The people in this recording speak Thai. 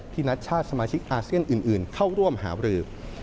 นัทชาติสมาชิกอาเซียนอื่นเข้าร่วมหารือ